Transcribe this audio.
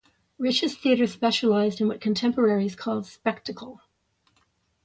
Rich's theatre specialized in what contemporaries called spectacle.